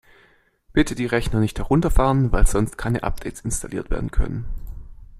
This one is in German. Bitte die Rechner nicht herunterfahren, weil sonst keine Updates installiert werden können!